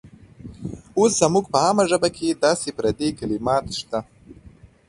اوس زموږ په عامه ژبه کې داسې پردي کلمات شته.